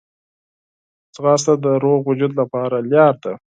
ځغاسته د روغ وجود لپاره لاره ده